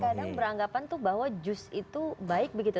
kadang beranggapan tuh bahwa jus itu baik begitu